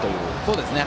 そうですね。